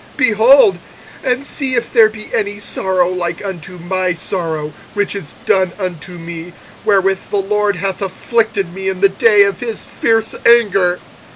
behold, and see if there be any sorrow like unto my sorrow, which is done unto me, wherewith the LORD hath afflicted me in the day of his fierce anger.